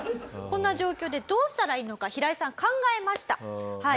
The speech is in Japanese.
こんな状況でどうしたらいいのかヒライさん考えました。